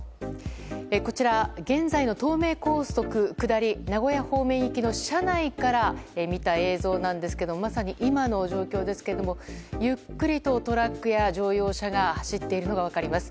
こちら、現在の東名高速下り名古屋方面行きの車内から見た映像なんですけどまさに今の状況ですけれどもゆっくりとトラックや乗用車が走っているのが分かります。